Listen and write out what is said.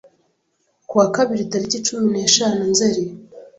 kuwa Kabiri taliki cumi neshanu Nzeri